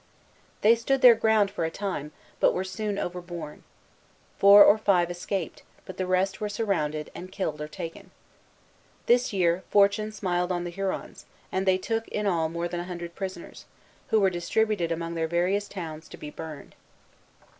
They stood their ground for a time, but were soon overborne. Four or five escaped; but the rest were surrounded, and killed or taken. This year, Fortune smiled on the Hurons; and they took, in all, more than a hundred prisoners, who were distributed among their various towns, to be burned.